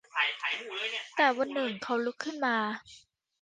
แต่วันหนึ่งเขาลุกขึ้นมา